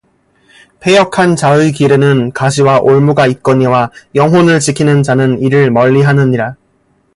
패역한 자의 길에는 가시와 올무가 있거니와 영혼을 지키는 자는 이를 멀리 하느니라